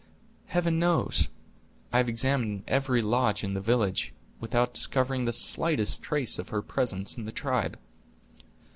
"Heaven knows. I have examined every lodge in the village, without discovering the slightest trace of her presence in the tribe."